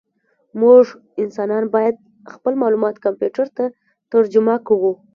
موږ انسانان باید خپل معلومات کمپیوټر ته ترجمه کړو.